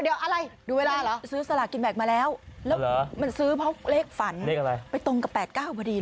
เดี๋ยวอะไรดูเวลาเหรอไปซื้อสลากินแบ่งมาแล้วแล้วมันซื้อเพราะเลขฝันเลขอะไรไปตรงกับ๘๙พอดีเลย